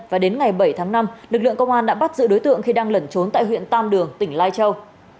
và đến ngày bảy tháng năm lực lượng công an đã bắt giữ đối tượng khi đang lẩn trốn tại huyện tam đường tỉnh lai châu